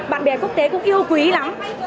bạn bè quốc tế cũng yêu quý lắm